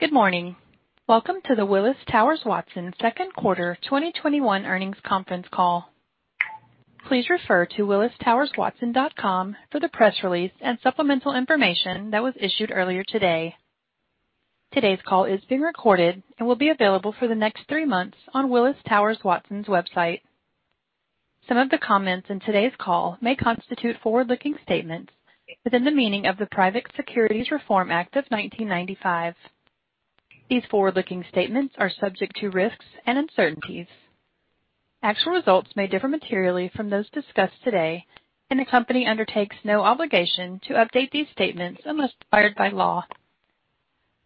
Good morning. Welcome to the Willis Towers Watson second quarter 2021 earnings conference call. Please refer to willistowerswatson.com for the press release and supplemental information that was issued earlier today. Today's call is being recorded and will be available for the next three months on Willis Towers Watson's website. Some of the comments in today's call may constitute forward-looking statements within the meaning of the Private Securities Reform Act of 1995. These forward-looking statements are subject to risks and uncertainties. Actual results may differ materially from those discussed today, and the company undertakes no obligation to update these statements unless required by law.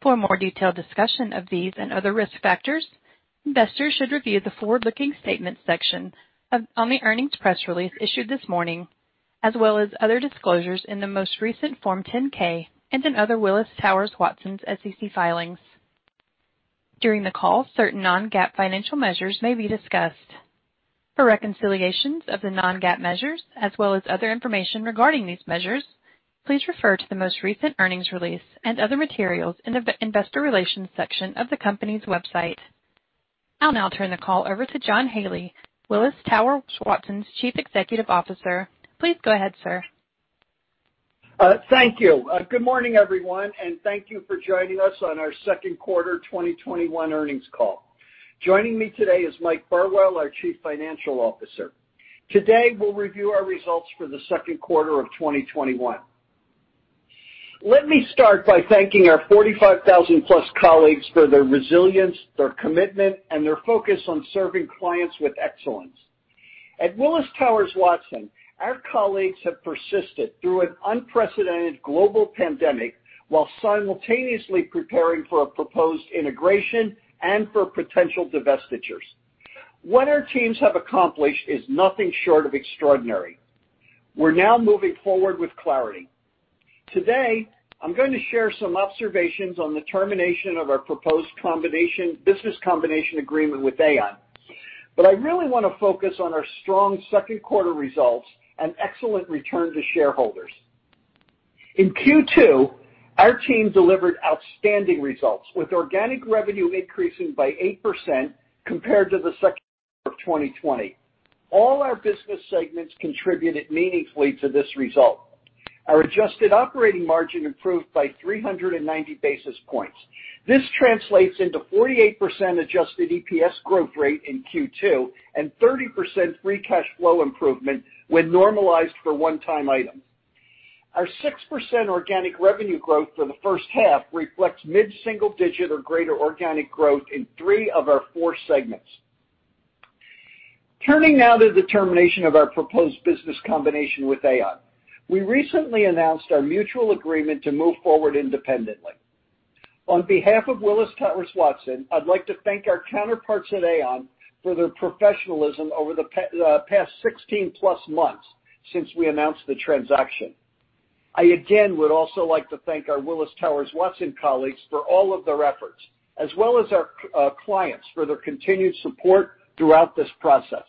For a more detailed discussion of these and other risk factors, investors should review the forward-looking statements section on the earnings press release issued this morning, as well as other disclosures in the most recent Form 10-K and in other Willis Towers Watson SEC filings. During the call, certain non-GAAP financial measures may be discussed. For reconciliations of the non-GAAP measures, as well as other information regarding these measures, please refer to the most recent earnings release and other materials in the investor relations section of the company's website. I'll now turn the call over to John Haley, Willis Towers Watson's Chief Executive Officer. Please go ahead, sir. Thank you. Good morning, everyone, and thank you for joining us on our second quarter 2021 earnings call. Joining me today is Mike Burwell, our Chief Financial Officer. Today, we'll review our results for the second quarter of 2021. Let me start by thanking our 45,000+ colleagues for their resilience, their commitment, and their focus on serving clients with excellence. At Willis Towers Watson, our colleagues have persisted through an unprecedented global pandemic while simultaneously preparing for a proposed integration and for potential divestitures. What our teams have accomplished is nothing short of extraordinary. We're now moving forward with clarity. Today, I'm going to share some observations on the termination of our proposed business combination agreement with Aon. I really want to focus on our strong second quarter results and excellent return to shareholders. In Q2, our team delivered outstanding results, with organic revenue increasing by 8% compared to the second quarter of 2020. All our business segments contributed meaningfully to this result. Our adjusted operating margin improved by 390 basis points. This translates into 48% adjusted EPS growth rate in Q2 and 30% free cash flow improvement when normalized for one-time items. Our 6% organic revenue growth for the first half reflects mid-single digit or greater organic growth in three of our four segments. Turning now to the termination of our proposed business combination with Aon. We recently announced our mutual agreement to move forward independently. On behalf of Willis Towers Watson, I'd like to thank our counterparts at Aon for their professionalism over the past 16+ months since we announced the transaction. I again would also like to thank our Willis Towers Watson colleagues for all of their efforts, as well as our clients for their continued support throughout this process.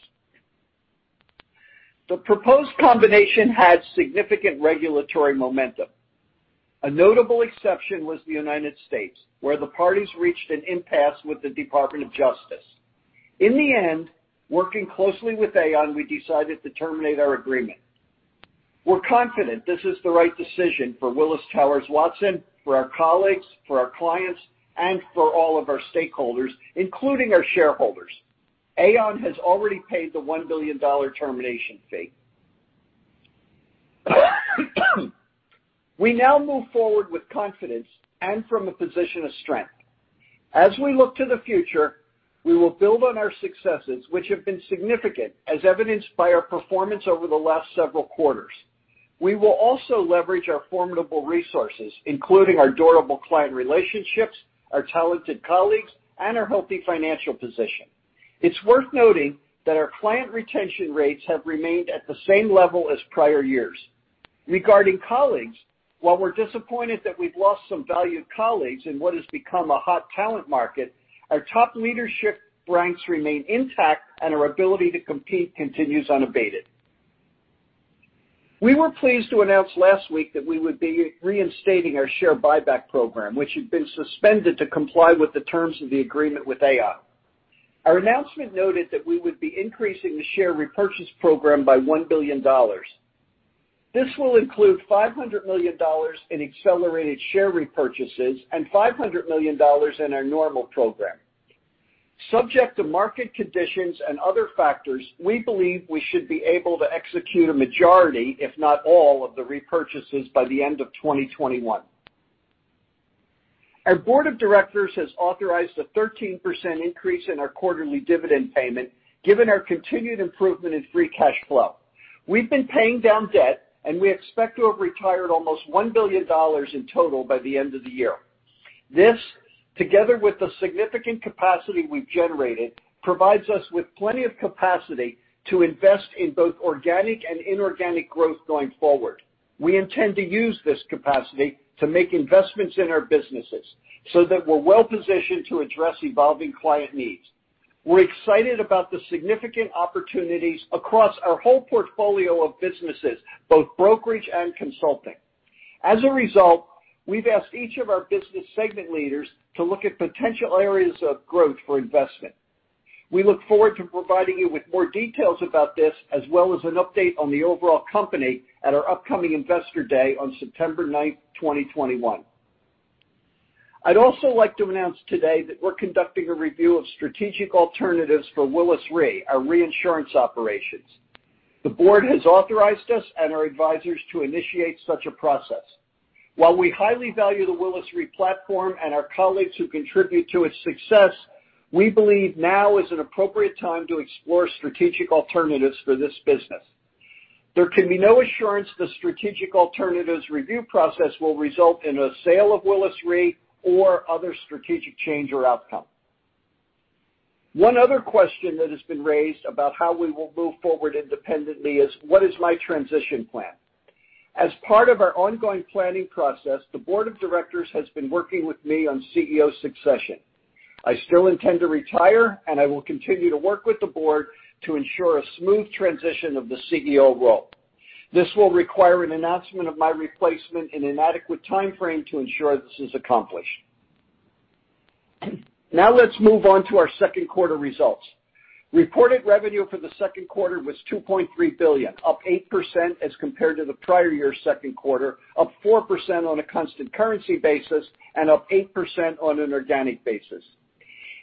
The proposed combination had significant regulatory momentum. A notable exception was the United States, where the parties reached an impasse with the Department of Justice. In the end, working closely with Aon, we decided to terminate our agreement. We're confident this is the right decision for Willis Towers Watson, for our colleagues, for our clients, and for all of our stakeholders, including our shareholders. Aon has already paid the $1 billion termination fee. We now move forward with confidence and from a position of strength. As we look to the future, we will build on our successes, which have been significant, as evidenced by our performance over the last several quarters. We will also leverage our formidable resources, including our durable client relationships, our talented colleagues, and our healthy financial position. It's worth noting that our client retention rates have remained at the same level as prior years. Regarding colleagues, while we're disappointed that we've lost some valued colleagues in what has become a hot talent market, our top leadership ranks remain intact and our ability to compete continues unabated. We were pleased to announce last week that we would be reinstating our share buyback program, which had been suspended to comply with the terms of the agreement with Aon. Our announcement noted that we would be increasing the share repurchase program by $1 billion. This will include $500 million in accelerated share repurchases and $500 million in our normal program. Subject to market conditions and other factors, we believe we should be able to execute a majority, if not all, of the repurchases by the end of 2021. Our board of directors has authorized a 13% increase in our quarterly dividend payment, given our continued improvement in free cash flow. We've been paying down debt, and we expect to have retired almost $1 billion in total by the end of the year. This, together with the significant capacity we've generated, provides us with plenty of capacity to invest in both organic and inorganic growth going forward. We intend to use this capacity to make investments in our businesses so that we're well-positioned to address evolving client needs. We're excited about the significant opportunities across our whole portfolio of businesses, both brokerage and consulting. As a result, we've asked each of our business segment leaders to look at potential areas of growth for investment. We look forward to providing you with more details about this, as well as an update on the overall company at our upcoming Investor Day on September 9th, 2021. I'd also like to announce today that we're conducting a review of strategic alternatives for Willis Re, our reinsurance operations. The board has authorized us and our advisors to initiate such a process. While we highly value the Willis Re platform and our colleagues who contribute to its success, we believe now is an appropriate time to explore strategic alternatives for this business. There can be no assurance the strategic alternatives review process will result in a sale of Willis Re or other strategic change or outcome. One other question that has been raised about how we will move forward independently is, what is my transition plan? As part of our ongoing planning process, the board of directors has been working with me on CEO succession. I still intend to retire, and I will continue to work with the board to ensure a smooth transition of the CEO role. This will require an announcement of my replacement in an adequate timeframe to ensure this is accomplished. Now let's move on to our second quarter results. Reported revenue for the second quarter was $2.3 billion, up 8% as compared to the prior year second quarter, up 4% on a constant currency basis, and up 8% on an organic basis.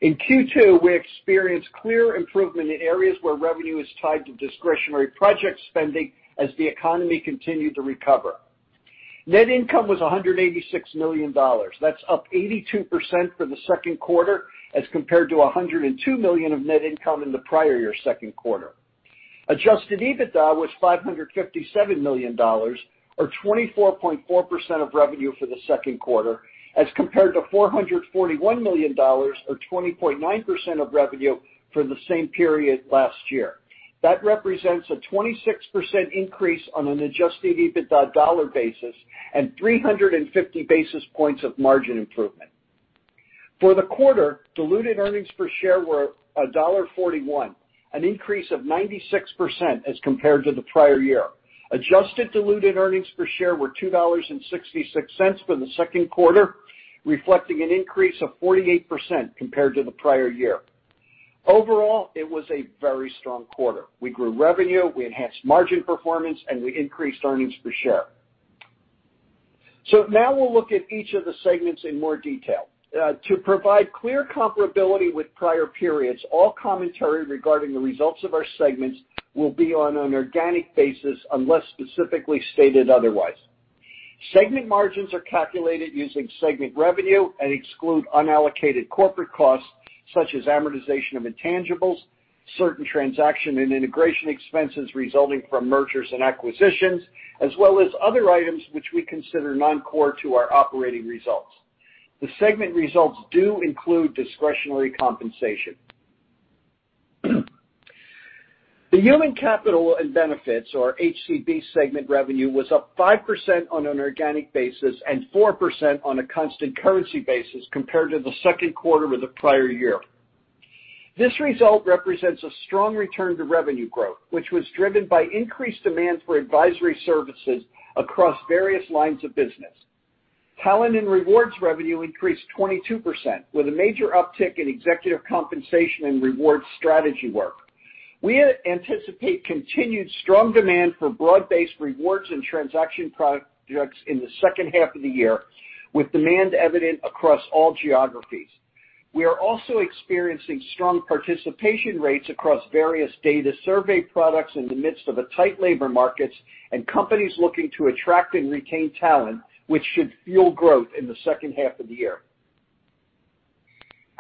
In Q2, we experienced clear improvement in areas where revenue is tied to discretionary project spending as the economy continued to recover. Net income was $186 million. That's up 82% for the second quarter as compared to $102 million of net income in the prior year second quarter. Adjusted EBITDA was $557 million, or 24.4% of revenue for the second quarter, as compared to $441 million, or 20.9% of revenue for the same period last year. That represents a 26% increase on an adjusted EBITDA dollar basis and 350 basis points of margin improvement. For the quarter, diluted earnings per share were $1.41, an increase of 96% as compared to the prior year. Adjusted diluted earnings per share were $2.66 for the second quarter, reflecting an increase of 48% compared to the prior year. Overall, it was a very strong quarter. We grew revenue, we enhanced margin performance, and we increased earnings per share. Now we'll look at each of the segments in more detail. To provide clear comparability with prior periods, all commentary regarding the results of our segments will be on an organic basis unless specifically stated otherwise. Segment margins are calculated using segment revenue and exclude unallocated corporate costs such as amortization of intangibles, certain transaction and integration expenses resulting from mergers and acquisitions, as well as other items which we consider non-core to our operating results. The segment results do include discretionary compensation. The Human Capital and Benefits, or HCB segment revenue, was up 5% on an organic basis and 4% on a constant currency basis compared to the second quarter of the prior year. This result represents a strong return to revenue growth, which was driven by increased demand for advisory services across various lines of business. Talent and Rewards revenue increased 22%, with a major uptick in executive compensation and rewards strategy work. We anticipate continued strong demand for broad-based rewards and transaction projects in the second half of the year, with demand evident across all geographies. We are also experiencing strong participation rates across various data survey products in the midst of a tight labor markets and companies looking to attract and retain talent, which should fuel growth in the second half of the year.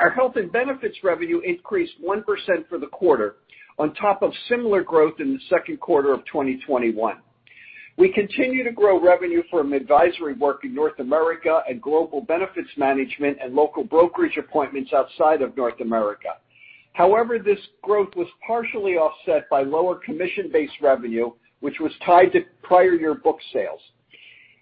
Our Human Capital and Benefits revenue increased 1% for the quarter on top of similar growth in the second quarter of 2021. We continue to grow revenue from advisory work in North America and global benefits management and local brokerage appointments outside of North America. However, this growth was partially offset by lower commission-based revenue, which was tied to prior year book sales.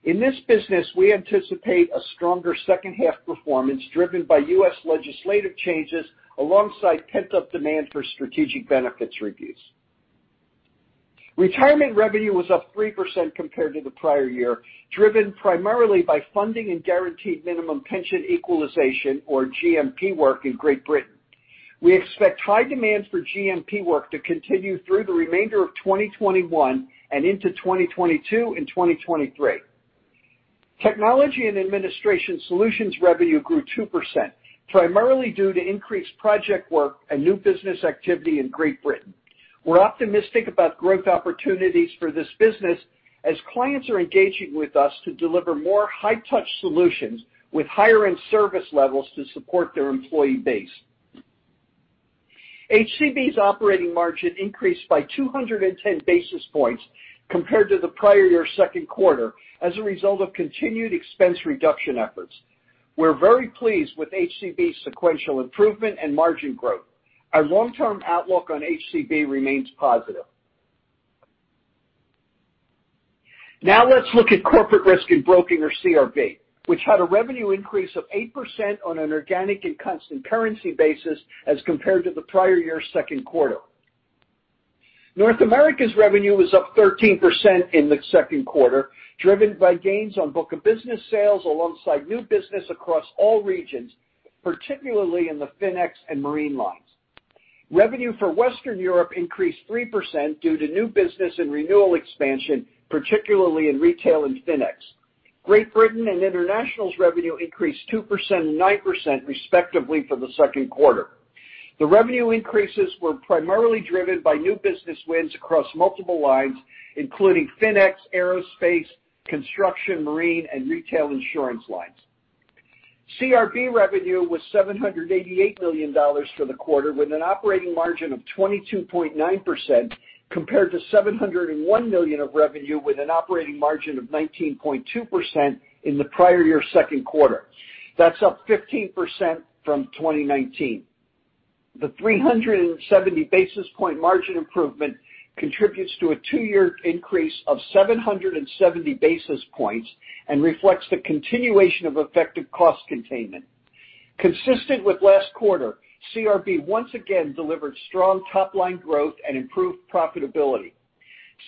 In this business, we anticipate a stronger second half performance driven by U.S. legislative changes alongside pent-up demand for strategic benefits reviews. Retirement revenue was up 3% compared to the prior year, driven primarily by funding and Guaranteed Minimum Pension equalization, or GMP work in Great Britain. We expect high demand for GMP work to continue through the remainder of 2021 and into 2022 and 2023. Technology and Administration Solutions revenue grew 2%, primarily due to increased project work and new business activity in Great Britain. We're optimistic about growth opportunities for this business as clients are engaging with us to deliver more high-touch solutions with higher-end service levels to support their employee base. HCB's operating margin increased by 210 basis points compared to the prior year second quarter as a result of continued expense reduction efforts. We're very pleased with HCB's sequential improvement and margin growth. Our long-term outlook on HCB remains positive. Let's look at Corporate Risk & Broking, or CRB, which had a revenue increase of 8% on an organic and constant currency basis as compared to the prior year's second quarter. North America's revenue was up 13% in the second quarter, driven by gains on book of business sales alongside new business across all regions, particularly in the FINEX and Marine lines. Revenue for Western Europe increased 3% due to new business and renewal expansion, particularly in retail and FINEX. Great Britain and International's revenue increased 2% and 9%, respectively, for the second quarter. The revenue increases were primarily driven by new business wins across multiple lines, including FINEX, aerospace, construction, Marine, and retail insurance lines. CRB revenue was $788 million for the quarter, with an operating margin of 22.9%, compared to $701 million of revenue with an operating margin of 19.2% in the prior year's second quarter. That's up 15% from 2019. The 370 basis point margin improvement contributes to a two-year increase of 770 basis points and reflects the continuation of effective cost containment. Consistent with last quarter, CRB once again delivered strong top-line growth and improved profitability.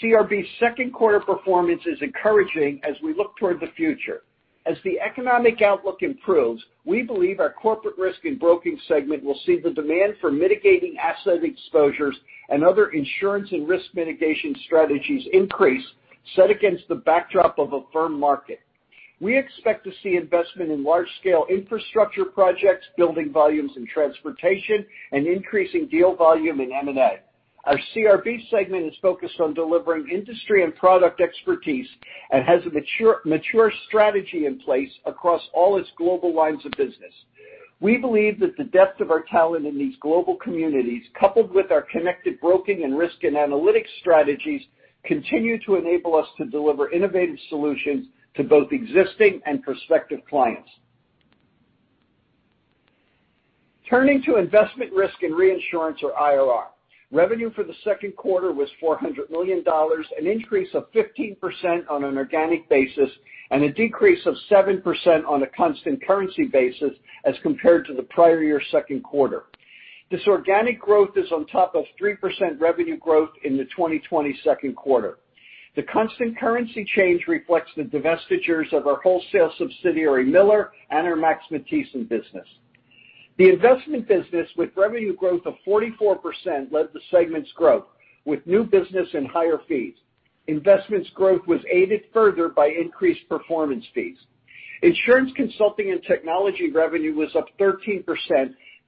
CRB's second quarter performance is encouraging as we look toward the future. As the economic outlook improves, we believe our Corporate Risk & Broking segment will see the demand for mitigating asset exposures and other insurance and risk mitigation strategies increase, set against the backdrop of a firm market. We expect to see investment in large-scale infrastructure projects, building volumes in transportation, and increasing deal volume in M&A. Our CRB segment is focused on delivering industry and product expertise and has a mature strategy in place across all its global lines of business. We believe that the depth of our talent in these global communities, coupled with our connected broking and risk and analytics strategies, continue to enable us to deliver innovative solutions to both existing and prospective clients. Turning to Investment, Risk and Reinsurance, or IRR. Revenue for the second quarter was $400 million, an increase of 15% on an organic basis and a decrease of 7% on a constant currency basis as compared to the prior year's second quarter. This organic growth is on top of 3% revenue growth in the 2020 second quarter. The constant currency change reflects the divestitures of our wholesale subsidiary, Miller, and our Max Matthiessen business. The investment business, with revenue growth of 44%, led the segment's growth with new business and higher fees. Investments growth was aided further by increased performance fees. Insurance Consulting and Technology revenue was up 13%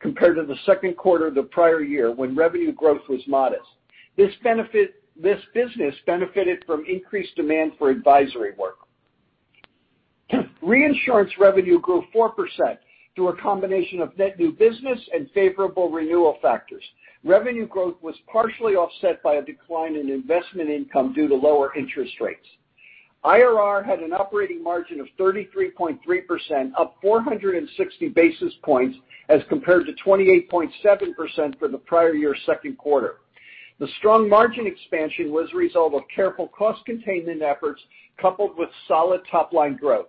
compared to the second quarter of the prior year, when revenue growth was modest. This business benefited from increased demand for advisory work. Reinsurance revenue grew 4% through a combination of net new business and favorable renewal factors. Revenue growth was partially offset by a decline in investment income due to lower interest rates. IRR had an operating margin of 33.3%, up 460 basis points as compared to 28.7% for the prior year's second quarter. The strong margin expansion was a result of careful cost containment efforts coupled with solid top-line growth.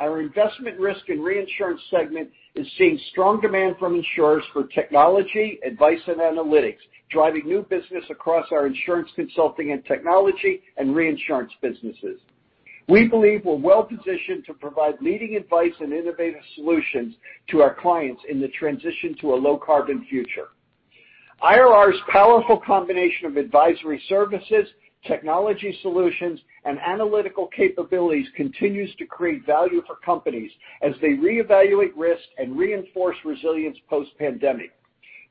Our Investment, Risk and Reinsurance segment is seeing strong demand from insurers for technology, advice, and analytics, driving new business across our insurance consulting and technology and reinsurance businesses. We believe we're well-positioned to provide leading advice and innovative solutions to our clients in the transition to a low-carbon future. IRR's powerful combination of advisory services, technology solutions, and analytical capabilities continues to create value for companies as they reevaluate risk and reinforce resilience post-pandemic.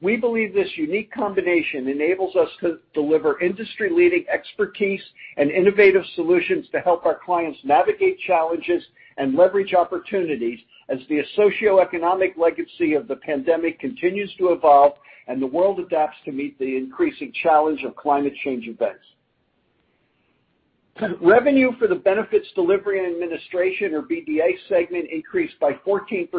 We believe this unique combination enables us to deliver industry-leading expertise and innovative solutions to help our clients navigate challenges and leverage opportunities as the socioeconomic legacy of the pandemic continues to evolve and the world adapts to meet the increasing challenge of climate change events. Revenue for the Benefits Delivery & Administration, or BDA segment, increased by 14%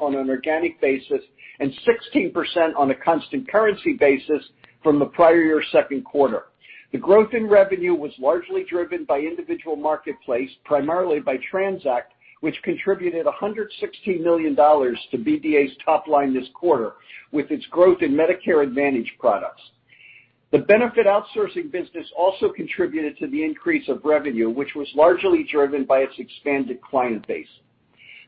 on an organic basis and 16% on a constant currency basis from the prior year's second quarter. The growth in revenue was largely driven by individual marketplace, primarily by TRANZACT, which contributed $116 million to BDA's top line this quarter with its growth in Medicare Advantage products. The benefit outsourcing business also contributed to the increase of revenue, which was largely driven by its expanded client base.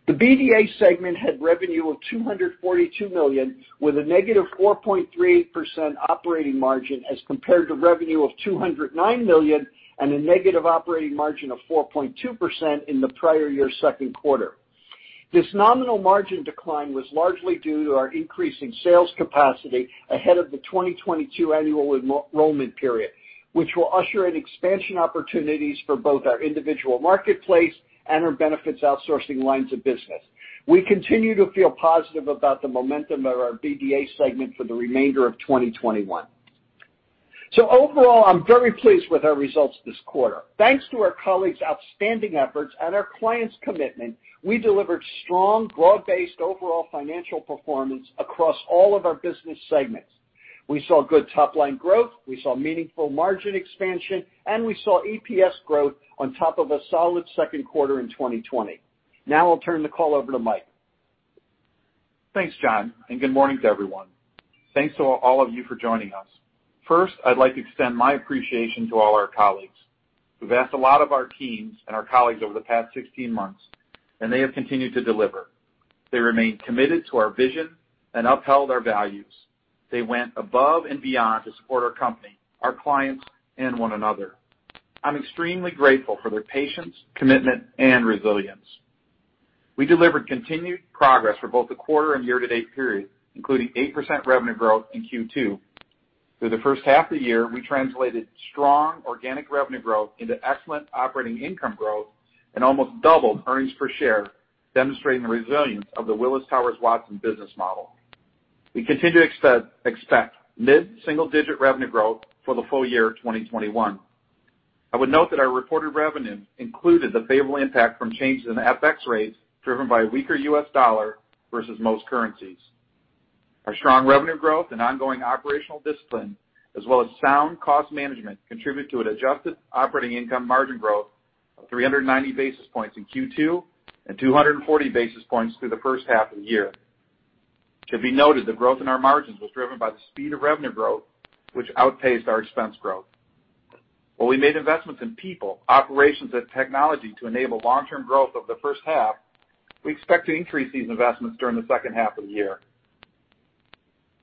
The BDA segment had revenue of $242 million, with a negative 4.38% operating margin, as compared to revenue of $209 million and a negative operating margin of 4.2% in the prior year's second quarter. This nominal margin decline was largely due to our increasing sales capacity ahead of the 2022 annual enrollment period, which will usher in expansion opportunities for both our individual marketplace and our benefits outsourcing lines of business. We continue to feel positive about the momentum of our BDA segment for the remainder of 2021. Overall, I'm very pleased with our results this quarter. Thanks to our colleagues' outstanding efforts and our clients' commitment, we delivered strong, broad-based overall financial performance across all of our business segments. We saw good top-line growth, we saw meaningful margin expansion, and we saw EPS growth on top of a solid second quarter in 2020. Now I'll turn the call over to Mike. Thanks, John. Good morning to everyone. Thanks to all of you for joining us. First, I'd like to extend my appreciation to all our colleagues. We've asked a lot of our teams and our colleagues over the past 16 months. They have continued to deliver. They remain committed to our vision and upheld our values. They went above and beyond to support our company, our clients, and one another. I'm extremely grateful for their patience, commitment, and resilience. We delivered continued progress for both the quarter and year-to-date period, including 8% revenue growth in Q2. Through the first half of the year, we translated strong organic revenue growth into excellent operating income growth and almost doubled earnings per share, demonstrating the resilience of the Willis Towers Watson business model. We continue to expect mid-single digit revenue growth for the full year 2021. I would note that our reported revenue included the favorable impact from changes in FX rates driven by weaker U.S. dollar versus most currencies. Our strong revenue growth and ongoing operational discipline, as well as sound cost management, contribute to an adjusted operating income margin growth of 390 basis points in Q2 and 240 basis points through the first half of the year. It should be noted that growth in our margins was driven by the speed of revenue growth, which outpaced our expense growth. While we made investments in people, operations, and technology to enable long-term growth over the first half, we expect to increase these investments during the second half of the year.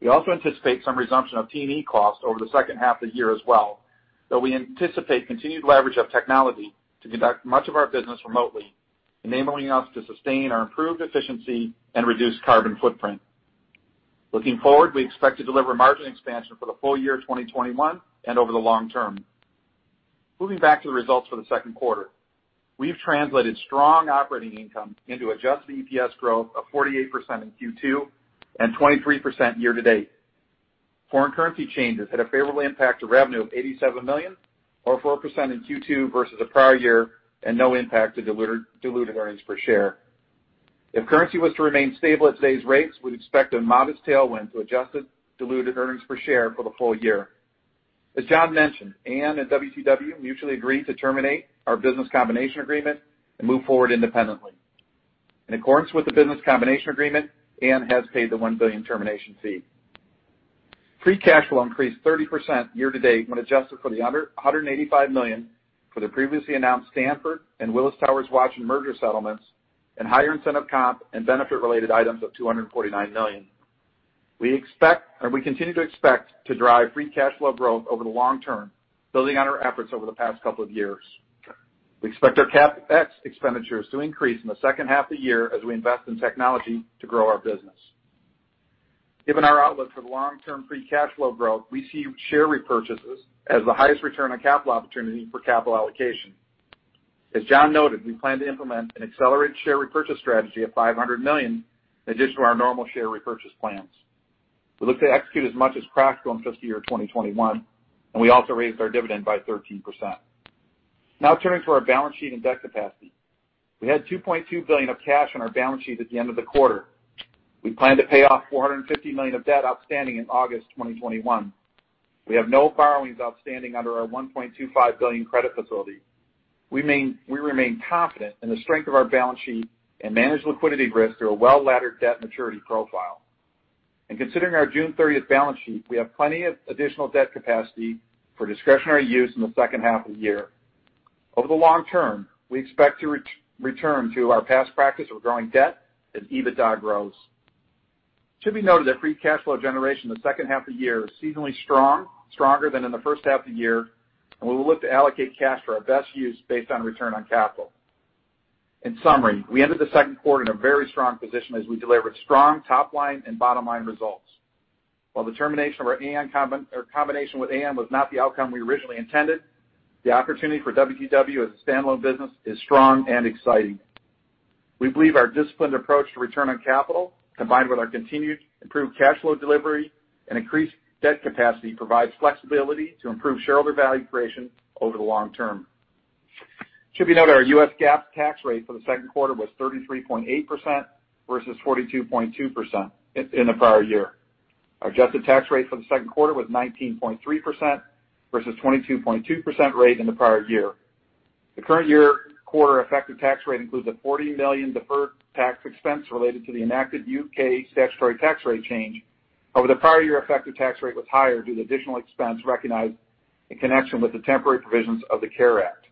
We also anticipate some resumption of T&E costs over the second half of the year as well, though we anticipate continued leverage of technology to conduct much of our business remotely, enabling us to sustain our improved efficiency and reduce carbon footprint. Looking forward, we expect to deliver margin expansion for the full year 2021 and over the long term. Moving back to the results for the second quarter. We've translated strong operating income into adjusted EPS growth of 48% in Q2 and 23% year-to-date. Foreign currency changes had a favorable impact to revenue of $87 million, or 4% in Q2 versus the prior year, and no impact to diluted earnings per share. If currency was to remain stable at today's rates, we'd expect a modest tailwind to adjusted diluted earnings per share for the full year. As John mentioned, Aon and WTW mutually agreed to terminate our business combination agreement and move forward independently. In accordance with the business combination agreement, Aon has paid the $1 billion termination fee. Free cash flow increased 30% year to date when adjusted for the $185 million for the previously announced Stanford and Willis Towers Watson merger settlements and higher incentive comp and benefit-related items of $249 million. We continue to expect to drive free cash flow growth over the long term, building on our efforts over the past couple of years. We expect our CapEx expenditures to increase in the second half of the year as we invest in technology to grow our business. Given our outlook for the long-term free cash flow growth, we see share repurchases as the highest return on capital opportunity for capital allocation. As John noted, we plan to implement an accelerated share repurchase strategy of $500 million in addition to our normal share repurchase plans. We look to execute as much as practical in fiscal year 2021. We also raised our dividend by 13%. Turning to our balance sheet and debt capacity. We had $2.2 billion of cash on our balance sheet at the end of the quarter. We plan to pay off $450 million of debt outstanding in August 2021. We have no borrowings outstanding under our $1.25 billion credit facility. We remain confident in the strength of our balance sheet and manage liquidity risk through a well-laddered debt maturity profile. Considering our June 30th balance sheet, we have plenty of additional debt capacity for discretionary use in the second half of the year. Over the long term, we expect to return to our past practice of growing debt as EBITDA grows. It should be noted that free cash flow generation in the second half of the year is seasonally stronger than in the first half of the year, and we will look to allocate cash for our best use based on return on capital. In summary, we ended the second quarter in a very strong position as we delivered strong top-line and bottom-line results. While the termination of our combination with Aon was not the outcome we originally intended, the opportunity for WTW as a standalone business is strong and exciting. We believe our disciplined approach to return on capital, combined with our continued improved cash flow delivery and increased debt capacity, provides flexibility to improve shareholder value creation over the long term. It should be noted our U.S. GAAP tax rate for the second quarter was 33.8% versus 42.2% in the prior year. Our adjusted tax rate for the second quarter was 19.3% versus 22.2% rate in the prior year. The current year quarter effective tax rate includes a $40 million deferred tax expense related to the enacted U.K. statutory tax rate change. However, the prior year effective tax rate was higher due to additional expense recognized in connection with the temporary provisions of the CARES Act.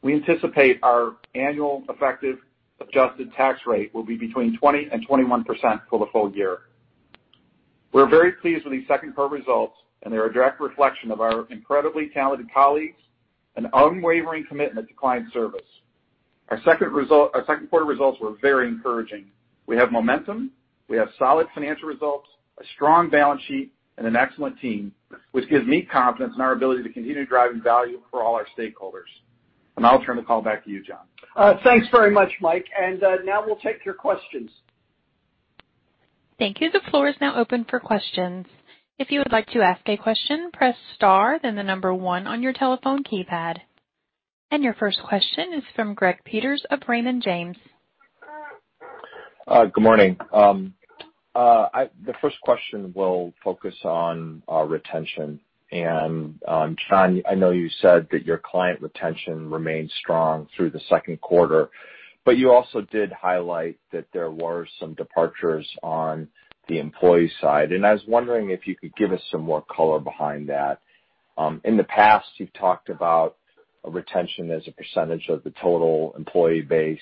We anticipate our annual effective adjusted tax rate will be between 20% and 21% for the full year. We're very pleased with these second quarter results, and they're a direct reflection of our incredibly talented colleagues and unwavering commitment to client service. Our second quarter results were very encouraging. We have momentum, we have solid financial results, a strong balance sheet, and an excellent team, which gives me confidence in our ability to continue driving value for all our stakeholders. I'll turn the call back to you, John. Thanks very much, Mike. Now we'll take your questions. Thank you. The floor is now open for questions. If you would like to ask a question, press star, then the number one on your telephone keypad. Your first question is from Greg Peters of Raymond James. Good morning. The first question will focus on retention. John, I know you said that your client retention remains strong through the second quarter, but you also did highlight that there were some departures on the employee side. I was wondering if you could give us some more color behind that. In the past, you've talked about retention as a percentage of the total employee base.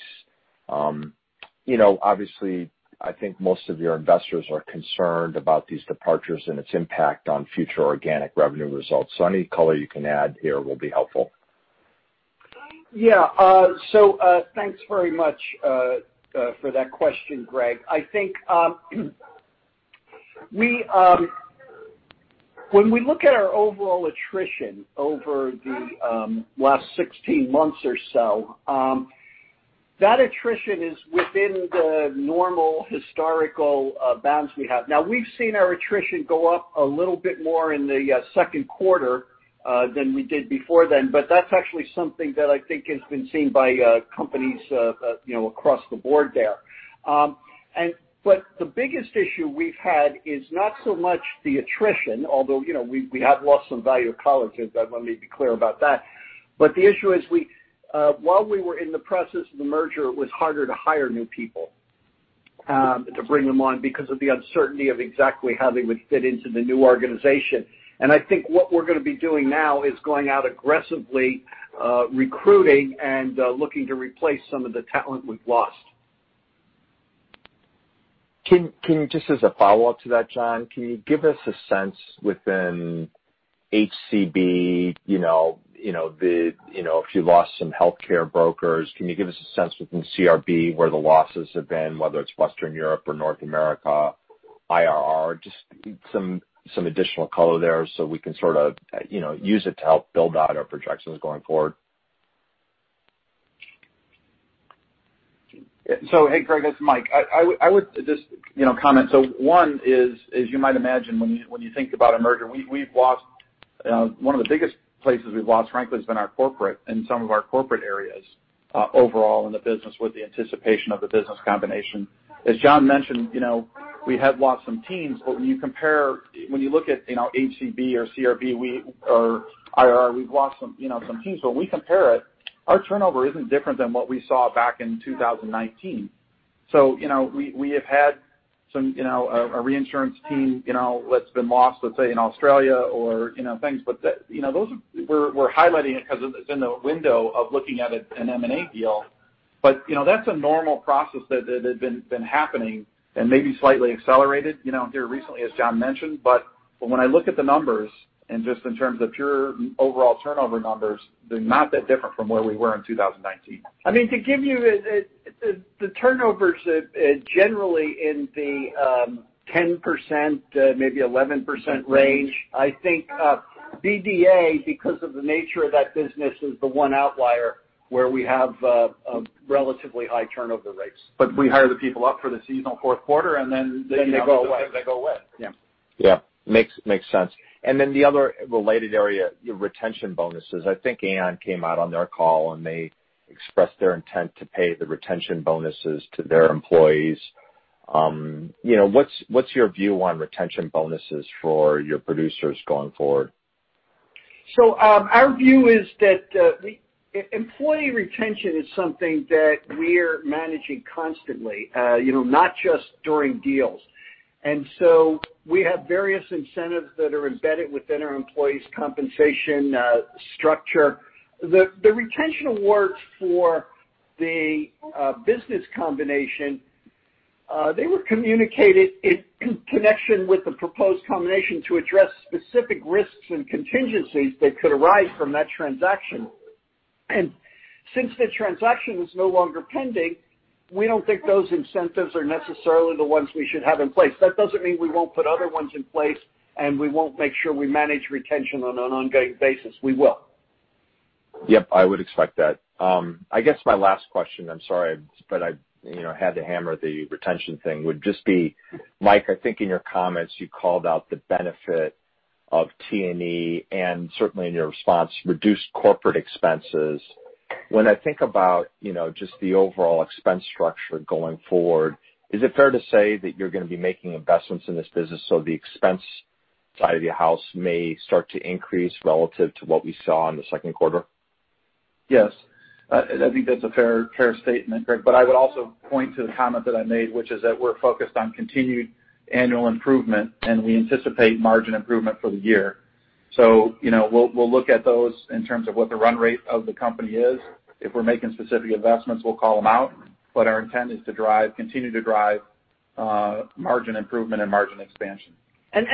Obviously, I think most of your investors are concerned about these departures and its impact on future organic revenue results. Any color you can add here will be helpful. Thanks very much for that question, Greg. I think when we look at our overall attrition over the last 16 months or so, that attrition is within the normal historical bounds we have. We've seen our attrition go up a little bit more in the second quarter than we did before then. That's actually something that I think has been seen by companies across the board there. The biggest issue we've had is not so much the attrition, although we have lost some value colleagues. Let me be clear about that. The issue is, while we were in the process of the merger, it was harder to hire new people, to bring them on because of the uncertainty of exactly how they would fit into the new organization. I think what we're going to be doing now is going out aggressively recruiting and looking to replace some of the talent we've lost. Just as a follow-up to that, John, can you give us a sense within HCB, if you lost some healthcare brokers, can you give us a sense within CRB where the losses have been, whether it's Western Europe or North America, IRR? Just some additional color there so we can sort of use it to help build out our projections going forward. Hey, Greg, this is Mike. I would just comment. One is, as you might imagine, when you think about a merger, one of the biggest places we've lost, frankly, has been our corporate and some of our corporate areas overall in the business with the anticipation of the business combination. As John mentioned, we have lost some teams, but when you look at HCB or CRB or IRR, we've lost some teams. When we compare it, our turnover isn't different than what we saw back in 2019. We have had a reinsurance team that's been lost, let's say, in Australia or things. We're highlighting it because it's in the window of looking at an M&A deal. That's a normal process that had been happening and maybe slightly accelerated here recently, as John mentioned. When I look at the numbers and just in terms of pure overall turnover numbers, they're not that different from where we were in 2019. To give you, the turnover is generally in the 10%, maybe 11% range. I think BDA, because of the nature of that business, is the one outlier where we have relatively high turnover rates. We hire the people up for the seasonal fourth quarter. They go away. they go with. Yeah. Yeah. Makes sense. The other related area, your retention bonuses, I think Aon came out on their call, and they expressed their intent to pay the retention bonuses to their employees. What's your view on retention bonuses for your producers going forward? Our view is that employee retention is something that we're managing constantly, not just during deals. We have various incentives that are embedded within our employees' compensation structure. The retention awards for the business combination, they were communicated in connection with the proposed combination to address specific risks and contingencies that could arise from that transaction. Since the transaction is no longer pending, we don't think those incentives are necessarily the ones we should have in place. That doesn't mean we won't put other ones in place, and we won't make sure we manage retention on an ongoing basis. We will. Yep, I would expect that. I guess my last question, I'm sorry, but I had to hammer the retention thing, would just be, Mike, I think in your comments you called out the benefit of T&E and certainly in your response, reduced corporate expenses. When I think about just the overall expense structure going forward, is it fair to say that you're going to be making investments in this business so the expense side of your house may start to increase relative to what we saw in the second quarter? Yes. I think that's a fair statement, Greg. I would also point to the comment that I made, which is that we're focused on continued annual improvement, and we anticipate margin improvement for the year. We'll look at those in terms of what the run rate of the company is. If we're making specific investments, we'll call them out, our intent is to continue to drive margin improvement and margin expansion.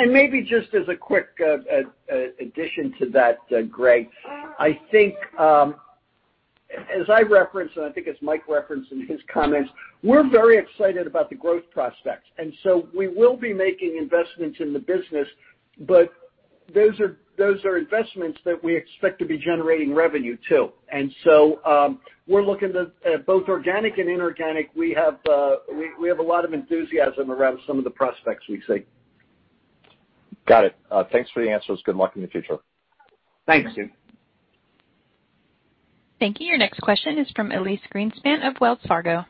Maybe just as a quick addition to that, Greg, I think as I referenced, and I think as Mike referenced in his comments, we're very excited about the growth prospects. So we will be making investments in the business, but those are investments that we expect to be generating revenue, too. So we're looking to both organic and inorganic. We have a lot of enthusiasm around some of the prospects we see. Got it. Thanks for the answers. Good luck in the future. Thanks. Thank you. Your next question is from Elyse Greenspan of Wells Fargo.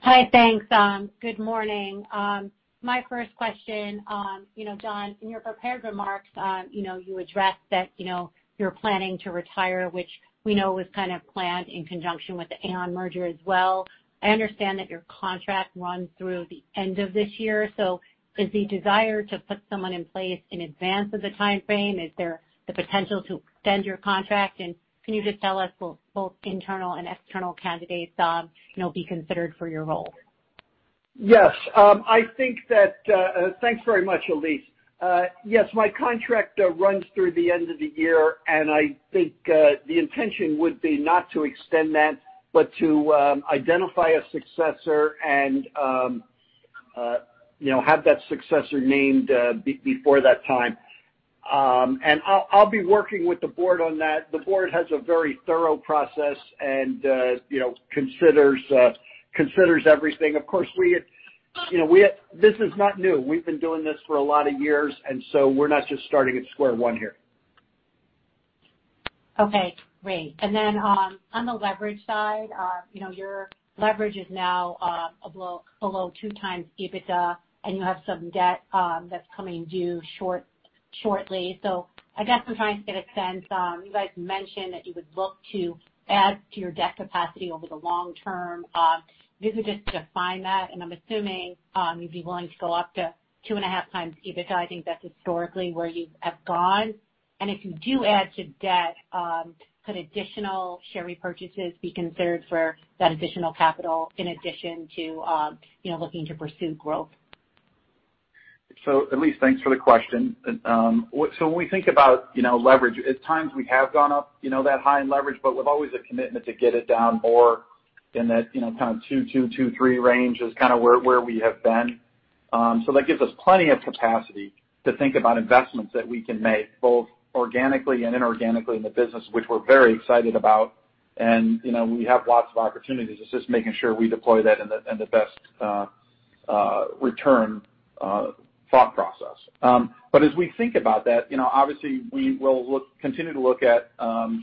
Hi, thanks. Good morning. My first question, John, in your prepared remarks you addressed that you're planning to retire, which we know was kind of planned in conjunction with the Aon merger as well. I understand that your contract runs through the end of this year. Is the desire to put someone in place in advance of the timeframe? Is there the potential to extend your contract? Can you just tell us will both internal and external candidates be considered for your role? Yes. Thanks very much, Elyse. My contract runs through the end of the year, and I think, the intention would be not to extend that, but to identify a successor and have that successor named before that time. I'll be working with the board on that. The board has a very thorough process and considers everything. Of course, this is not new. We've been doing this for a lot of years, and so we're not just starting at square one here. Okay, great. On the leverage side, your leverage is now below 2x EBITDA, and you have some debt that's coming due shortly. I guess I'm trying to get a sense. You guys mentioned that you would look to add to your debt capacity over the long term. If you could just define that, and I'm assuming, you'd be willing to go up to 2.5x EBITDA. I think that's historically where you have gone. If you do add to debt, could additional share repurchases be considered for that additional capital in addition to looking to pursue growth? Elyse, thanks for the question. When we think about leverage, at times we have gone up that high in leverage, but with always a commitment to get it down more in that kind of 2.2-2.3 range is kind of where we have been. That gives us plenty of capacity to think about investments that we can make, both organically and inorganically in the business, which we're very excited about. We have lots of opportunities. It's just making sure we deploy that in the best return thought process. As we think about that, obviously we will continue to look at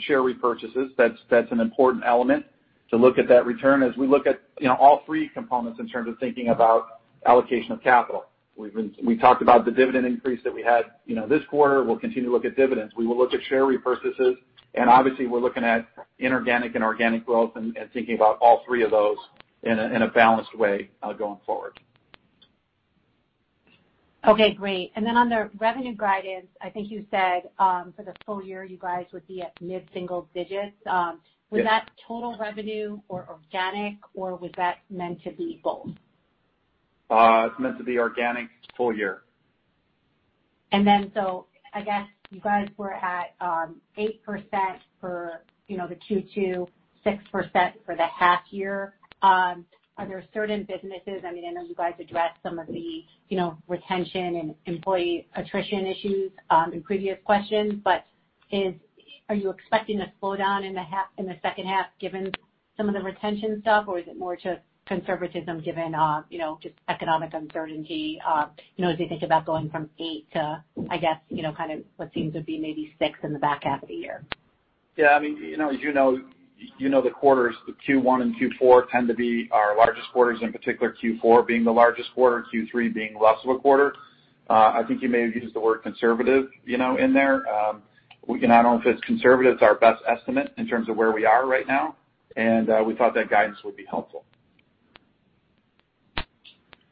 share repurchases. That's an important element to look at that return as we look at all three components in terms of thinking about allocation of capital. We talked about the dividend increase that we had this quarter. We'll continue to look at dividends. We will look at share repurchases, and obviously, we're looking at inorganic and organic growth and thinking about all three of those in a balanced way going forward. Okay, great. On the revenue guidance, I think you said, for the full year, you guys would be at mid-single digits. Yes. Was that total revenue or organic, or was that meant to be both? It's meant to be organic full year. I guess you guys were at 8% for the Q2, 6% for the half year. Are there certain businesses, I know you guys addressed some of the retention and employee attrition issues in previous questions. Are you expecting a slowdown in the second half given some of the retention stuff, or is it more just conservatism given just economic uncertainty, as you think about going from eight to, I guess, what seems to be maybe six in the back half of the year? Yeah, as you know, the quarters, the Q1 and Q4 tend to be our largest quarters, in particular, Q4 being the largest quarter, Q3 being less of a quarter. I think you may have used the word conservative in there. I don't know if it's conservative. It's our best estimate in terms of where we are right now, and we thought that guidance would be helpful.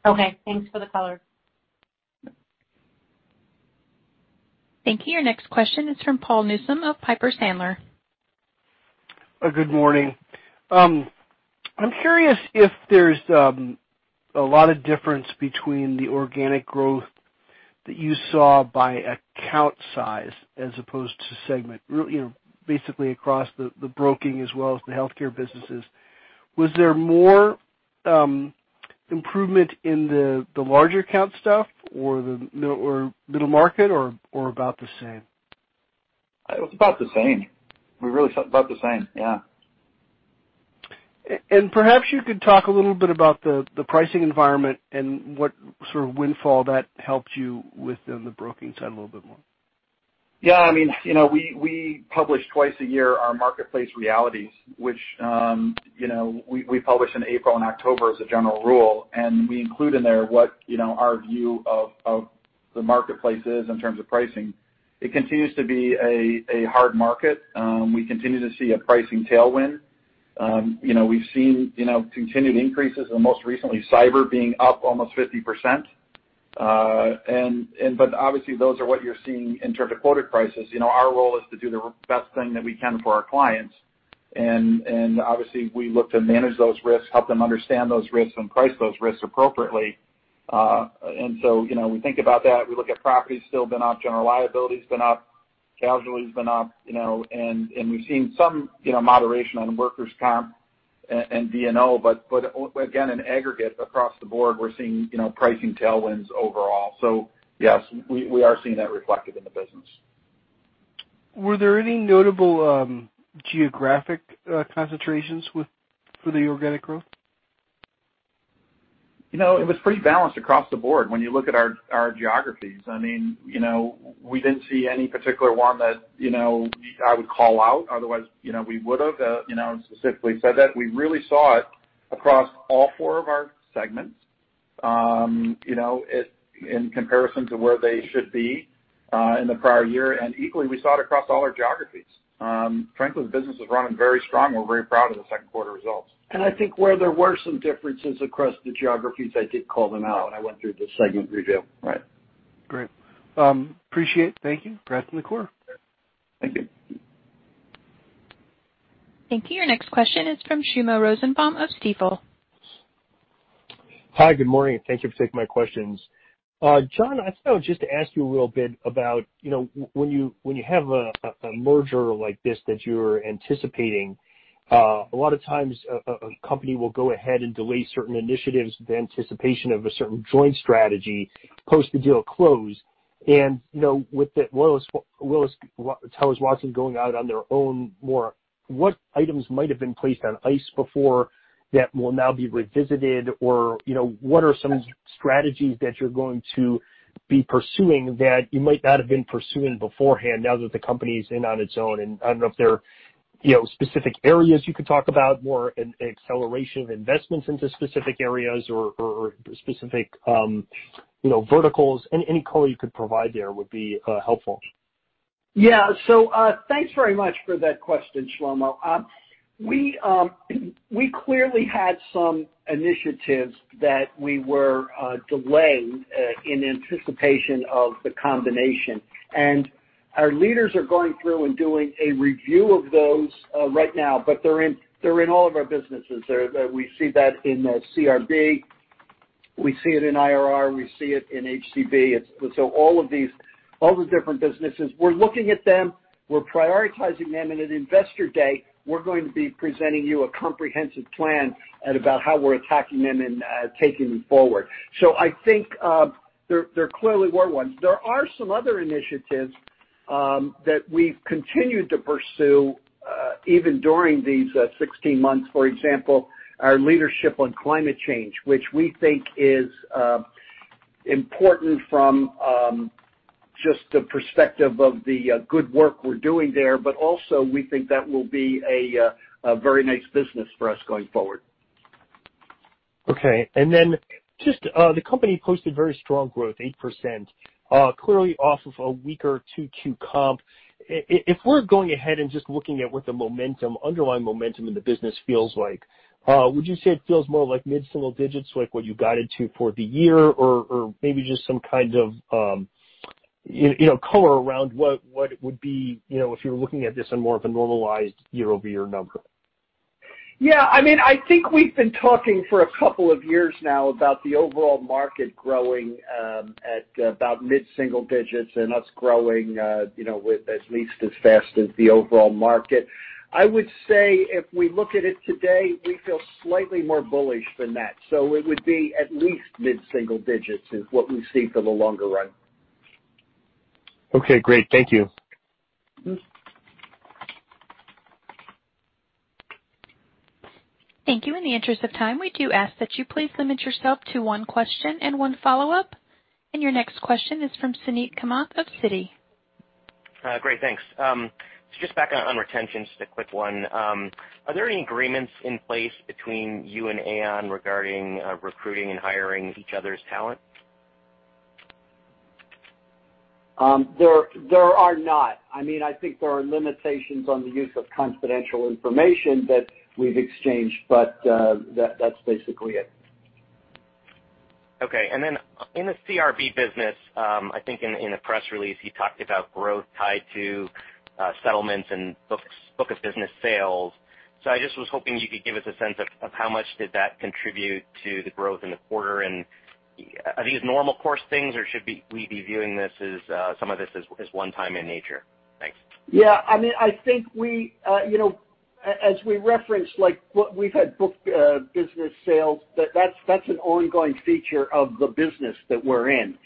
Okay. Thanks for the color. Thank you. Your next question is from Paul Newsome of Piper Sandler. Good morning. I'm curious if there's a lot of difference between the organic growth that you saw by account size as opposed to segment, basically across the broking as well as the healthcare businesses. Was there more improvement in the larger account stuff or the middle market or about the same? It was about the same. We really saw about the same, yeah. Perhaps you could talk a little bit about the pricing environment and what sort of windfall that helped you within the broking side a little bit more. Yeah, we publish twice a year our marketplace realities, which we publish in April and October as a general rule. We include in there what our view of the marketplace is in terms of pricing. It continues to be a hard market. We continue to see a pricing tailwind. We've seen continued increases and most recently, cyber being up almost 50%. Obviously those are what you're seeing in terms of quoted prices. Our role is to do the best thing that we can for our clients. Obviously we look to manage those risks, help them understand those risks, and price those risks appropriately. We think about that. We look at properties still been up, general liability's been up, casualty's been up, and we've seen some moderation on workers' comp and D&O. Again, in aggregate across the board, we're seeing pricing tailwinds overall. Yes, we are seeing that reflected in the business. Were there any notable geographic concentrations for the organic growth? It was pretty balanced across the board when you look at our geographies. We didn't see any particular one that I would call out, otherwise we would have specifically said that. We really saw it across all four of our segments in comparison to where they should be in the prior year. Equally, we saw it across all our geographies. Frankly, the business is running very strong. We're very proud of the second quarter results. I think where there were some differences across the geographies, I did call them out. I went through the segment review. Right. Great. Appreciate it. Thank you. [inaudible] Thank you. Thank you. Your next question is from Shlomo Rosenbaum of Stifel. Hi, good morning, and thank you for taking my questions. John, I just wanted to ask you a little bit about when you have a merger like this that you're anticipating, a lot of times a company will go ahead and delay certain initiatives, the anticipation of a certain joint strategy post the deal close. With the Willis Towers Watson going out on their own more, what items might have been placed on ice before that will now be revisited? What are some strategies that you're going to be pursuing that you might not have been pursuing beforehand now that the company's in on its own? I don't know if there are specific areas you could talk about, more an acceleration of investments into specific areas or specific verticals. Any color you could provide there would be helpful. Yeah. Thanks very much for that question, Shlomo. We clearly had some initiatives that we were delaying in anticipation of the combination. Our leaders are going through and doing a review of those right now. They're in all of our businesses. We see that in CRB, we see it in IRR, we see it in HCB. All the different businesses, we're looking at them, we're prioritizing them. At Investor Day, we're going to be presenting you a comprehensive plan at about how we're attacking them and taking them forward. I think there clearly were ones. There are some other initiatives that we've continued to pursue even during these 16 months. For example, our leadership on climate change, which we think is important from just the perspective of the good work we're doing there. Also we think that will be a very nice business for us going forward. Okay. Just the company posted very strong growth, 8%, clearly off of a weaker 2Q comp. If we're going ahead and just looking at what the underlying momentum in the business feels like, would you say it feels more like mid-single digits, like what you guided to for the year? Maybe just some kind of color around what it would be if you were looking at this on more of a normalized year-over-year number. Yeah. I think we've been talking for a couple of years now about the overall market growing at about mid-single digits and us growing with at least as fast as the overall market. I would say if we look at it today, we feel slightly more bullish than that. It would be at least mid-single digits is what we see for the longer run. Okay, great. Thank you. Thank you. In the interest of time, we do ask that you please limit yourself to one question and one follow-up. Your next question is from Suneet Kamath of Citi. Great, thanks. Just back on retention, just a quick one. Are there any agreements in place between you and Aon regarding recruiting and hiring each other's talent? There are not. I think there are limitations on the use of confidential information that we've exchanged, but that's basically it. Okay. In the CRB business, I think in the press release, you talked about growth tied to settlements and book of business sales. I just was hoping you could give us a sense of how much did that contribute to the growth in the quarter, and are these normal course things, or should we be viewing some of this as one-time in nature? Thanks. Yeah. As we referenced, we've had book business sales. That's an ongoing feature of the business that we're in.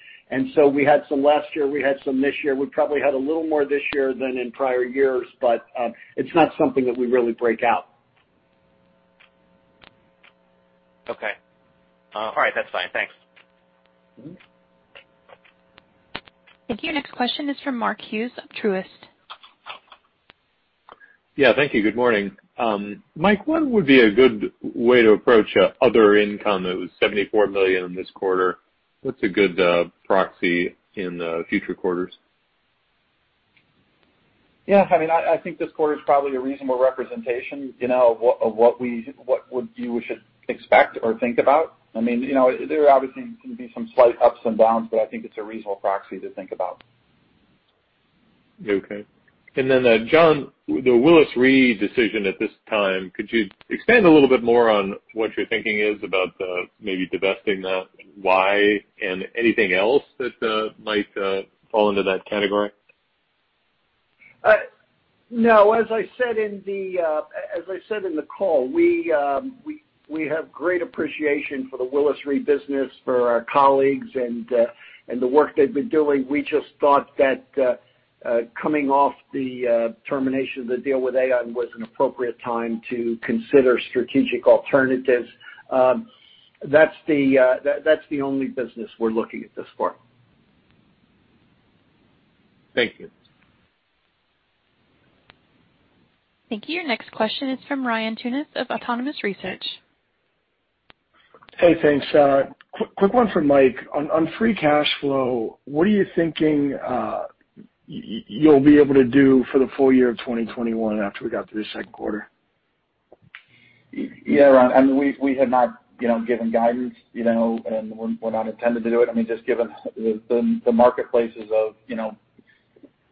We had some last year, we had some this year. We probably had a little more this year than in prior years, but it's not something that we really break out. Okay. All right, that's fine. Thanks. Thank you. Next question is from Mark Hughes of Truist. Yeah. Thank you. Good morning. Mike, what would be a good way to approach other income? It was $74 million this quarter. What's a good proxy in future quarters? Yeah. I think this quarter is probably a reasonable representation of what you should expect or think about. There obviously can be some slight ups and downs, but I think it's a reasonable proxy to think about. Okay. John, the Willis Re decision at this time, could you expand a little bit more on what your thinking is about maybe divesting that, why, and anything else that might fall into that category? No. As I said in the call, we have great appreciation for the Willis Re business, for our colleagues, and the work they've been doing. We just thought that, coming off the termination of the deal with Aon was an appropriate time to consider strategic alternatives. That's the only business we're looking at this for. Thank you. Thank you. Your next question is from Ryan Tunis of Autonomous Research. Hey, thanks. Quick one for Mike. On free cash flow, what are you thinking you'll be able to do for the full year of 2021 after we got through the second quarter? Yeah, Ryan, we have not given guidance, and we're not intending to do it. Just given the marketplaces of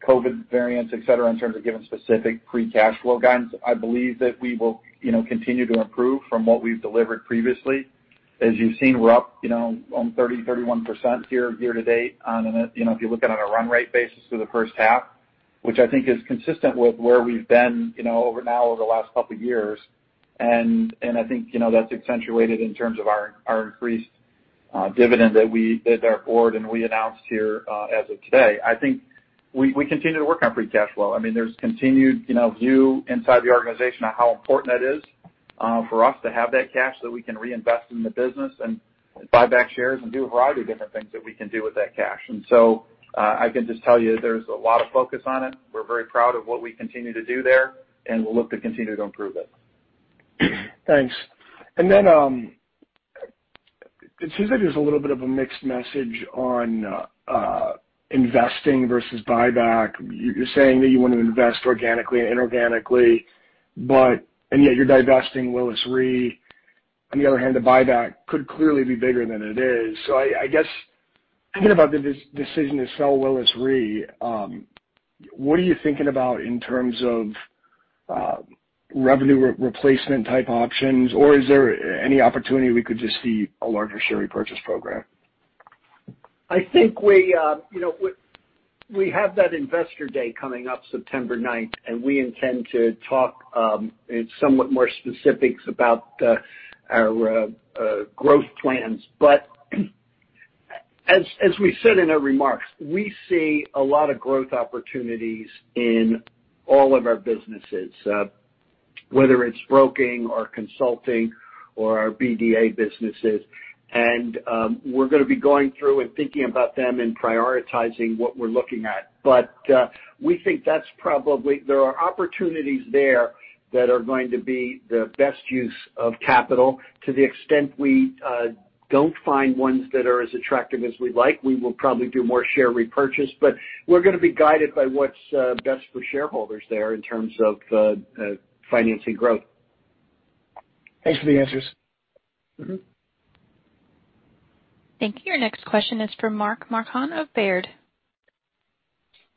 COVID variants, et cetera, in terms of giving specific free cash flow guidance. I believe that we will continue to improve from what we've delivered previously. As you've seen, we're up on 30%, 31% year to date if you're looking on a run rate basis through the first half, which I think is consistent with where we've been over now over the last couple of years. I think that's accentuated in terms of our increased dividend that our board and we announced here as of today. I think we continue to work on free cash flow. There's continued view inside the organization on how important that is for us to have that cash so that we can reinvest in the business and buy back shares and do a variety of different things that we can do with that cash. I can just tell you there's a lot of focus on it. We're very proud of what we continue to do there, and we'll look to continue to improve it. Thanks. It seems like there's a little bit of a mixed message on investing versus buyback. You're saying that you want to invest organically and inorganically, and yet you're divesting Willis Re. On the other hand, the buyback could clearly be bigger than it is. I guess, thinking about the decision to sell Willis Re, what are you thinking about in terms of revenue replacement type options? Is there any opportunity we could just see a larger share repurchase program? I think we have that Investor Day coming up September 9th. We intend to talk in somewhat more specifics about our growth plans. As we said in our remarks, we see a lot of growth opportunities in all of our businesses, whether it's broking or consulting or our BDA businesses. We're going to be going through and thinking about them and prioritizing what we're looking at. We think that's probably, there are opportunities there that are going to be the best use of capital. To the extent we don't find ones that are as attractive as we like, we will probably do more share repurchase. We're going to be guided by what's best for shareholders there in terms of financing growth. Thanks for the answers. Thank you. Your next question is from Mark Marcon of Baird.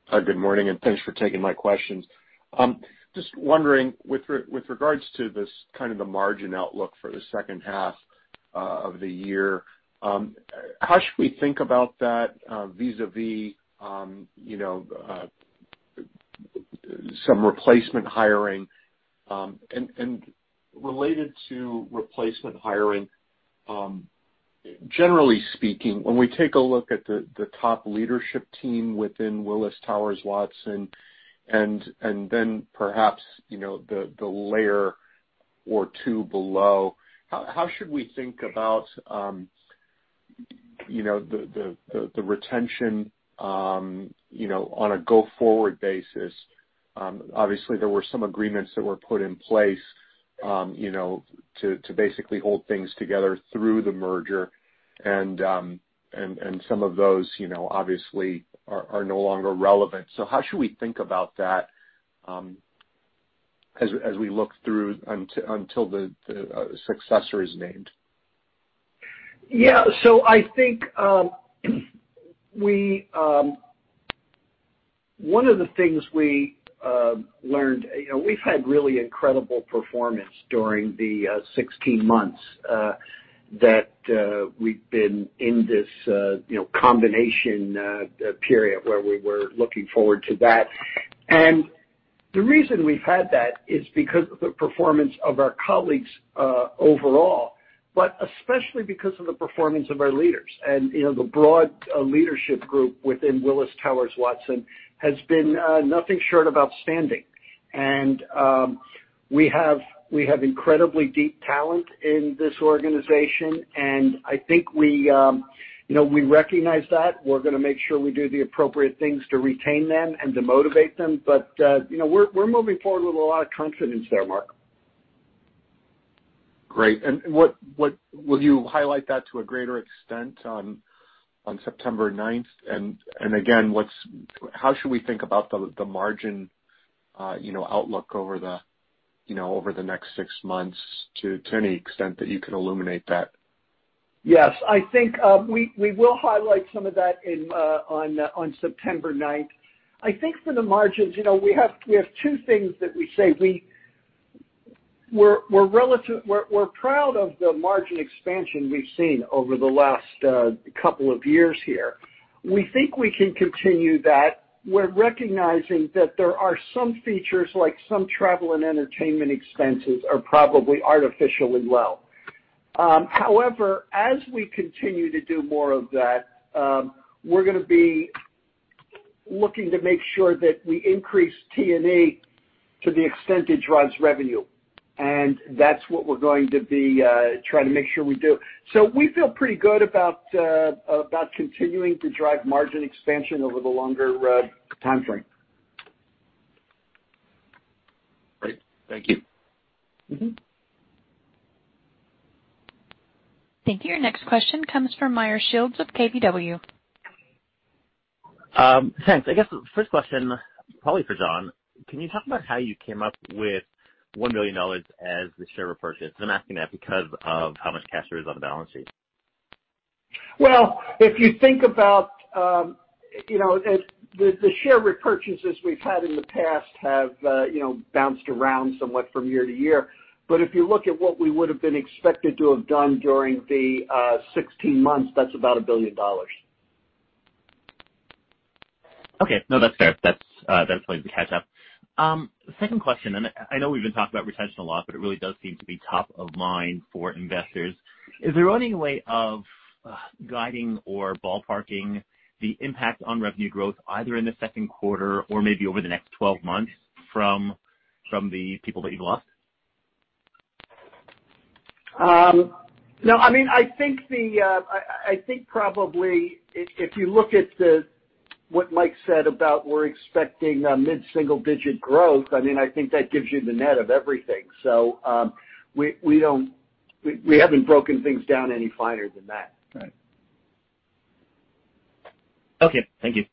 Hi, good morning. Thanks for taking my questions. Just wondering with regards to this kind of the margin outlook for the second half of the year, how should we think about that vis-a-vis some replacement hiring? Related to replacement hiring, generally speaking, when we take a look at the top leadership team within Willis Towers Watson, and then perhaps the layer or two below, how should we think about the retention on a go-forward basis? Obviously, there were some agreements that were put in place to basically hold things together through the merger. Some of those obviously are no longer relevant. How should we think about that as we look through until the successor is named? Yeah. I think one of the things we learned, we've had really incredible performance during the 16 months that we've been in this combination period where we were looking forward to that. The reason we've had that is because of the performance of our colleagues overall, but especially because of the performance of our leaders. The broad leadership group within Willis Towers Watson has been nothing short of outstanding. We have incredibly deep talent in this organization, and I think we recognize that. We're going to make sure we do the appropriate things to retain them and to motivate them. We're moving forward with a lot of confidence there, Mark. Great. Will you highlight that to a greater extent on September 9th? Again, how should we think about the margin outlook over the next 6 months to any extent that you could illuminate that? Yes. I think we will highlight some of that on September 9th. I think for the margins, we have two things that we say. We're proud of the margin expansion we've seen over the last couple of years here. We think we can continue that. We're recognizing that there are some features, like some travel and entertainment expenses are probably artificially low. However, as we continue to do more of that, we're going to be looking to make sure that we increase T&E to the extent it drives revenue. And that's what we're going to be trying to make sure we do. So we feel pretty good about continuing to drive margin expansion over the longer time frame. Great. Thank you. Thank you. Your next question comes from Meyer Shields of KBW. Thanks. I guess the first question, probably for John, can you talk about how you came up with $1 million as the share repurchase? I'm asking that because of how much cash there is on the balance sheet. Well, if you think about the share repurchases we've had in the past have bounced around somewhat from year to year. If you look at what we would've been expected to have done during the 16 months, that's about $1 billion. Okay. No, that's fair. That's why we catch up. Second question, and I know we've been talking about retention a lot, but it really does seem to be top of mind for investors. Is there any way of guiding or ballparking the impact on revenue growth, either in the second quarter or maybe over the next 12 months from the people that you've lost? No. I think probably if you look at what Mike said about we're expecting a mid-single-digit growth, I think that gives you the net of everything. We haven't broken things down any finer than that. Right. Okay. Thank you.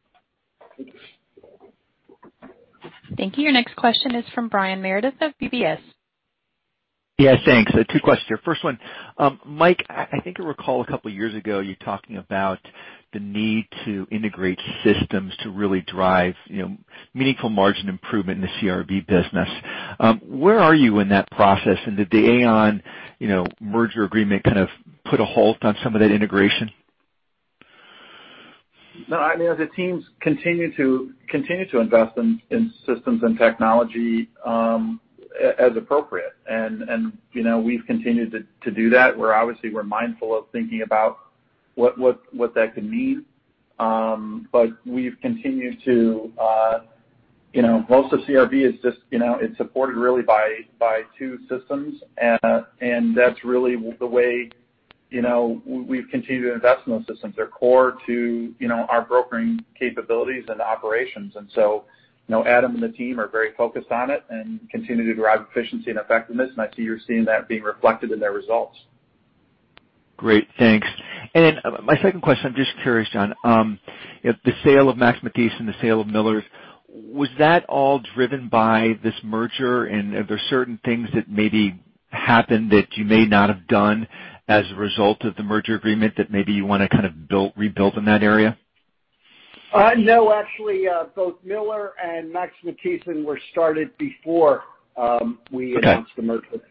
Thank you. Your next question is from Brian Meredith of UBS. Yeah, thanks. Two questions here. First one, Mike, I think I recall a couple of years ago you talking about the need to integrate systems to really drive meaningful margin improvement in the CRB business. Where are you in that process, and did the Aon merger agreement kind of put a halt on some of that integration? No, the teams continue to invest in systems and technology as appropriate. We've continued to do that. Obviously, we're mindful of thinking about what that could mean. Most of CRB is supported really by two systems, and that's really the way we've continued to invest in those systems. They're core to our brokering capabilities and operations. Adam and the team are very focused on it and continue to drive efficiency and effectiveness, and I see you're seeing that being reflected in their results. Great. Thanks. My second question, I'm just curious, John, the sale of Max Matthiessen, the sale of Miller, was that all driven by this merger? Are there certain things that maybe happened that you may not have done as a result of the merger agreement that maybe you want to kind of rebuild in that area? No, actually, both Miller and Max Matthiessen were started before we announced the merger. Okay.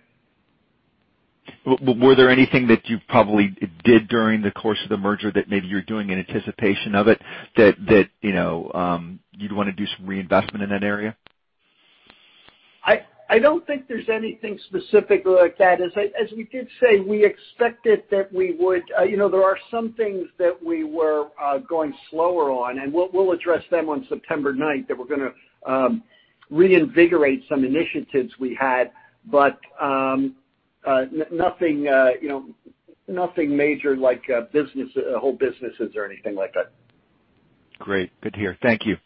Were there anything that you probably did during the course of the merger that maybe you're doing in anticipation of it that you'd want to do some reinvestment in that area? I don't think there's anything specific like that. As we did say, there are some things that we were going slower on, and we'll address them on September 9th, that we're going to reinvigorate some initiatives we had. Nothing major like whole businesses or anything like that. Great. Good to hear. Thank you.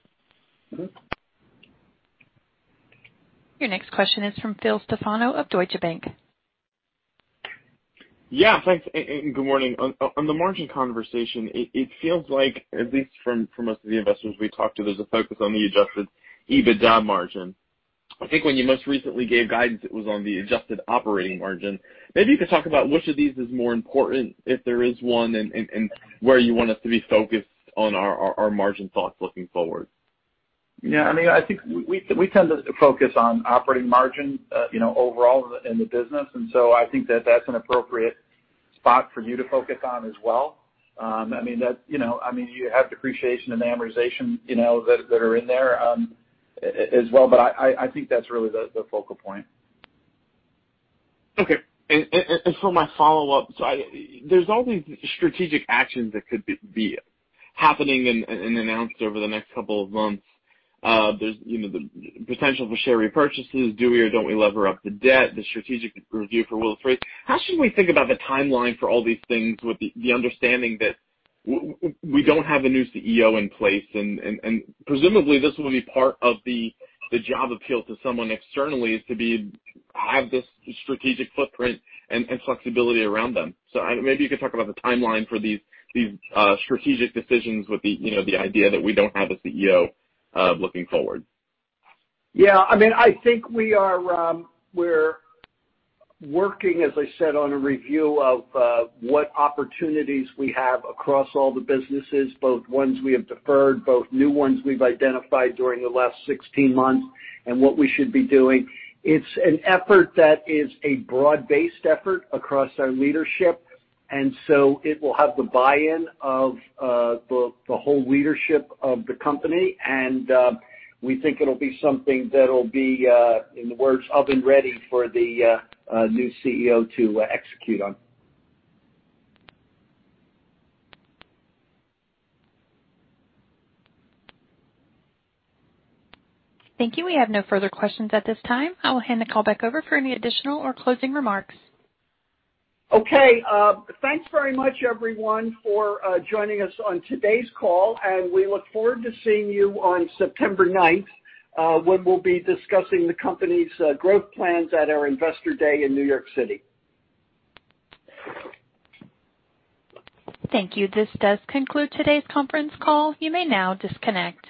Your next question is from Philip Stefano of Deutsche Bank. Yeah, thanks, and good morning. On the margin conversation, it feels like, at least from most of the investors we talked to, there's a focus on the adjusted EBITDA margin. I think when you most recently gave guidance, it was on the adjusted operating margin. Maybe you could talk about which of these is more important, if there is one, and where you want us to be focused on our margin thoughts looking forward. Yeah, I think we tend to focus on operating margin overall in the business. I think that that's an appropriate spot for you to focus on as well. You have depreciation and amortization that are in there as well. I think that's really the focal point. Okay. For my follow-up, there's all these strategic actions that could be happening and announced over the next couple of months. There's the potential for share repurchases. Do we or don't we lever up the debt? The strategic review for Willis Re. How should we think about the timeline for all these things with the understanding that we don't have a new CEO in place, and presumably this will be part of the job appeal to someone externally is to have this strategic footprint and flexibility around them. Maybe you could talk about the timeline for these strategic decisions with the idea that we don't have a CEO looking forward. Yeah. I think we're working, as I said, on a review of what opportunities we have across all the businesses, both ones we have deferred, both new ones we've identified during the last 16 months, and what we should be doing. It's an effort that is a broad-based effort across our leadership, and so it will have the buy-in of the whole leadership of the company. We think it'll be something that'll be, in the words, oven ready for the new CEO to execute on. Thank you. We have no further questions at this time. I will hand the call back over for any additional or closing remarks. Okay. Thanks very much everyone for joining us on today's call, and we look forward to seeing you on September 9th, when we'll be discussing the company's growth plans at our Investor Day in New York City. Thank you. This does conclude today's conference call. You may now disconnect.